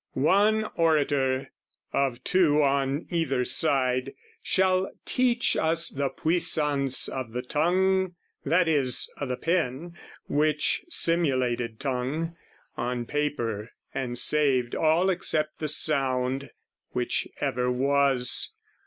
One orator, of two on either side, Shall teach us the puissance of the tongue That is, o' the pen which simulated tongue On paper and saved all except the sound Which ever was.